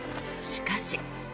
しかし。